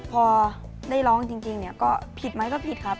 พอได้ร้องจริงก็ผิดมั้ยก็ผิดครับ